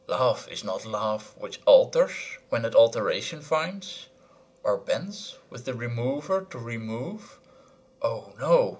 Love is not love Which alters when it alteration finds, Or bends with the remover to remove: O, no!